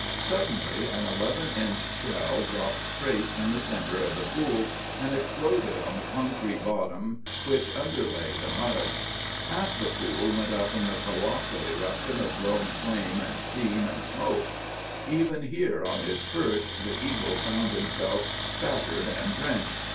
Suddenly an eleven inch shell dropped straight in the centre of the pool and exploded on the concrete bottom which underlay the mud. Half the pool went up in the colossal eruption of blown flame and steam and smoke. Even here on his perch the eagle found himself spattered and drenched.